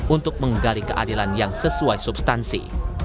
untuk menggali keadilan yang sesuai substansi